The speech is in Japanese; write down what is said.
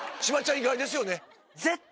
意外ですよね？